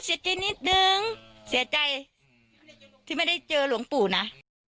สิทธินิดนึงเสียใจที่ไม่ได้เจอหลวงปู่นะ